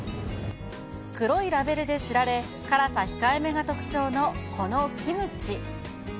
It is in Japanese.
黒いラベルで知られ、辛さ控えめが特徴のこのキムチ。